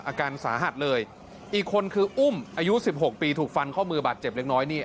อาการสาหัสเลยอีกคนคืออุ้มอายุ๑๖ปีถูกฟันข้อมือบาดเจ็บเล็กน้อยนี่